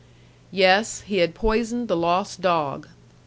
Yes, he had poisoned the lost dog.